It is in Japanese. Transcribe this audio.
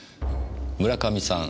村上さん